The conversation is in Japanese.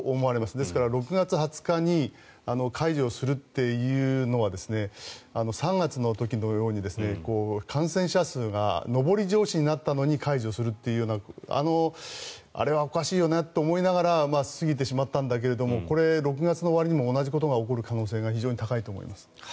ですから、６月２０日に解除をするというのは３月の時のように感染者数が上り調子になったのに解除するというようなあれはおかしいよねと思いながら過ぎてしまったんだけれどもこれ、６月の終わりにも同じことが起こる可能性が非常に高いと思います。